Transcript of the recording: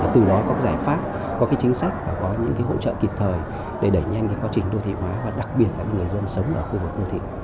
từ đó có giải pháp có chính sách và có những hỗ trợ kịp thời để đẩy nhanh quá trình đô thị hóa và đặc biệt là người dân sống ở khu vực đô thị